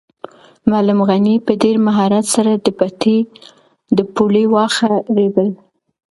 معلم غني په ډېر مهارت سره د پټي د پولې واښه رېبل.